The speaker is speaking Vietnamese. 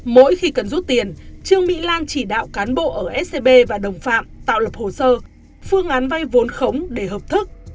mỗi khi cần rút tiền trương mỹ lan chỉ đạo cán bộ ở scb và đồng phạm tạo lập hồ sơ phương án vay vốn khống để hợp thức